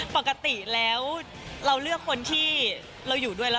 ปกติแล้วเราเลือกคนที่เราอยู่ด้วยแล้ว